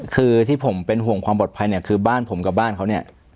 คือที่ผมเป็นห่วงความปลอดภัยเนี่ยคือบ้านผมกับบ้านเขาเนี่ย